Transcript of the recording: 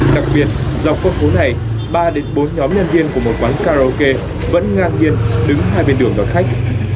đặc biệt dọc qua phố này ba bốn nhóm nhân viên của một quán karaoke vẫn ngang nhiên đứng hai bên đường đón khách